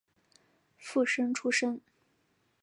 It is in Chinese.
附生出身。